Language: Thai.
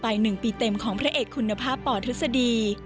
ไปหนึ่งปีเต็มของพระเอกคุณภาพปธศดี